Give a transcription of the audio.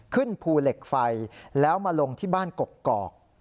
ภูเหล็กไฟแล้วมาลงที่บ้านกกอก